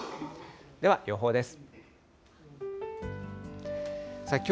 では、予報です。